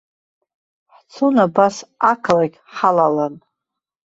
Ҳцон абас ақалақь ҳалалан.